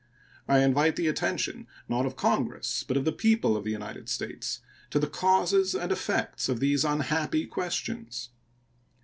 I invite the attention, not of Congress, but of the people of the United States, to the causes and effects of these unhappy questions.